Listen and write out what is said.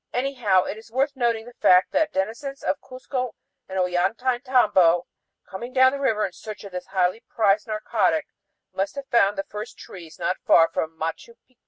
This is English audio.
Anyhow it is worth noting the fact that denizens of Cuzco and Ollantaytambo, coming down the river in search of this highly prized narcotic, must have found the first trees not far from Machu Picchu.